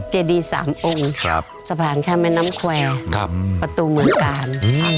เจดี๓องค์สะพานข้ามแม่น้ำแควร์ประตูเมืองกาล